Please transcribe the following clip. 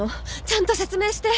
ちゃんと説明して。